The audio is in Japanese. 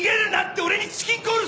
俺にチキンコールすんだ！